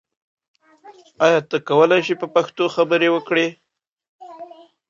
ایا ته کولای شې چې په پښتو خبرې وکړې؟